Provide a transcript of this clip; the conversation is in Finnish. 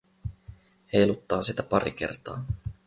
Heiluttaa sitä pari kertaa.